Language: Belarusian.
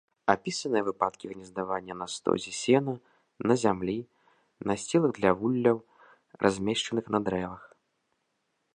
Апісаныя выпадкі гнездавання на стозе сена, на зямлі, насцілах для вулляў, размешчаных на дрэвах.